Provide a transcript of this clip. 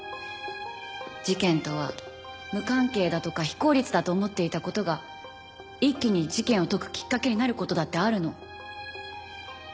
事件とは無関係だとか非効率だと思っていた事が一気に事件を解くきっかけになる事だってあるの。